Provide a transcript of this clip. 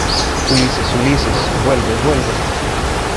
¡ Ulises! ¡ Ulises, vuelve !¡ vuelve !